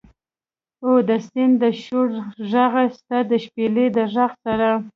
او د سیند د شور ږغ، ستا د شپیلۍ د ږغ سره